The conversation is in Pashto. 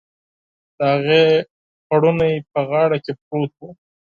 د هغې ټکری په غاړه کې پروت و.